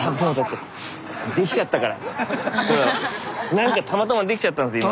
何かたまたまできちゃったんです今。